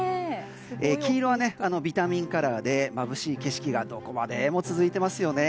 黄色はビタミンカラーでまぶしい景色がどこまでも続いていますよね。